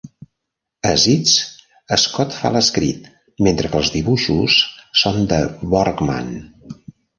A "Zits", Scott fa l'escrit, mentre que els dibuixos són de Borgman.